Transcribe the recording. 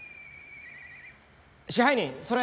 支配人それ